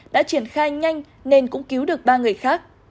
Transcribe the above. đã triển khai nhanh nên cũng cứu được ba người khác